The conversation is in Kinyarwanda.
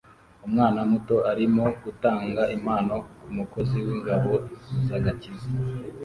Umwana muto arimo gutanga impano kumukozi wingabo zagakiza